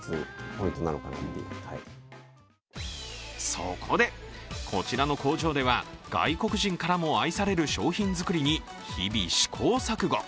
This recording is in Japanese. そこで、こちらの工場では外国人からも愛される商品作りに日々、試行錯誤。